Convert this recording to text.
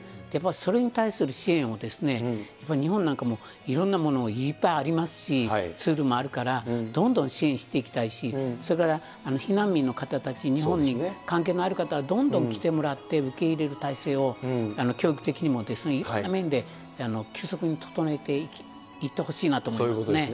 やっぱりそれに対する支援を、日本なんかもいろんなものいっぱいありますし、ツールもあるから、どんどん支援していきたいし、それから、避難民の方たち、日本に関係のある方は、どんどん来てもらって受け入れる体制を、教育的にも、いろんな面で急速に整えていってほしいなと思いますね。